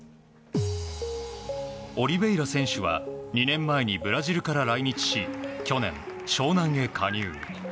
オリベイラ選手は２年前にブラジルから来日し去年、湘南へ加入。